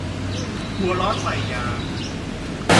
หัวร้อนใส่ยาม